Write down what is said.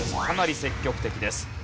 かなり積極的です。